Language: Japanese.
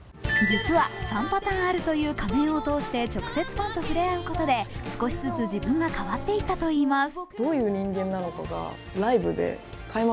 実は、３パターンあるという仮面を通して直接ファンとふれあうことで少しずつ自分が変わっていったといいます。